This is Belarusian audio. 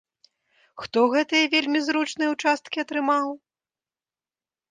Хто гэтыя вельмі зручныя ўчасткі атрымаў?